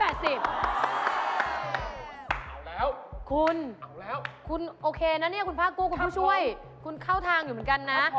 เอาแล้วคุณเอาแล้วคุณโอเคนะเนี่ยคุณผ้ากู้คุณผู้ช่วยคุณเข้าทางอยู่เหมือนกันนะ